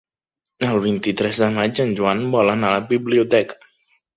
El vint-i-tres de maig en Joan vol anar a la biblioteca.